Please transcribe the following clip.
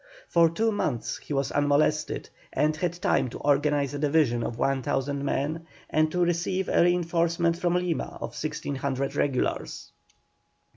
For two months he was unmolested, and had time to organize a division of 1,000 men, and to receive a reinforcement from Lima of 1,600 regulars.